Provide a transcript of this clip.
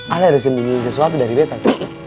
alai harus jembing sesuatu dari betan